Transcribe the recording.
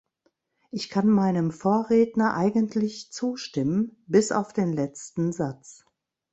Ich kann meinem Vorredner eigentlich zustimmen, bis auf den letzten Satz.